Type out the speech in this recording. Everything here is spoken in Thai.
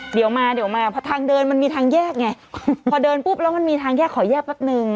เดี๋ยวมาเดี๋ยวมาพอทางเดินมันมีทางแยกไงพอเดินปุ๊บแล้วมันมีทางแยกขอแยกแป๊บนึง